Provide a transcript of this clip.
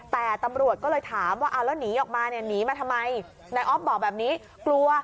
แต่ตำรวจก็เลยถามว่าเอาแล้วหนีออกมาเนี่ยหนีมาทำไมนายอ๊อฟบอกแบบนี้กลัว